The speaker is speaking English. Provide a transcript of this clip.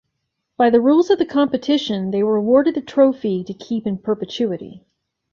By the rules of competition, they were awarded the trophy to keep in perpetuity.